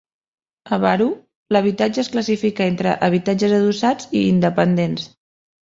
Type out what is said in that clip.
A Barugh l'habitatge es classifica entre habitatges adossats i independents.